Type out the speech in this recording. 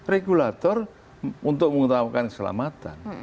regulator untuk mengutamakan keselamatan